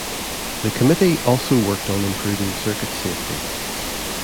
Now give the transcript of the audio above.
The committee also worked on improving circuit safety.